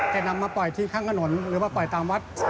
จะนำมาปล่อยทิ้งข้างถนนหรือว่าปล่อยตามวัด